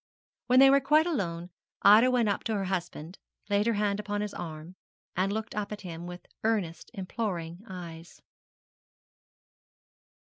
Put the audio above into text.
When they were quite alone Ida went up to her husband, laid her hand upon his arm, and looked up at him with earnest, imploring eyes.